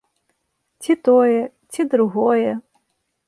Ці тое, ці другое.